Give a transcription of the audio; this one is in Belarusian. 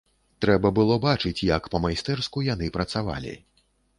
Трэба было бачыць, як па-майстэрску яны працавалі!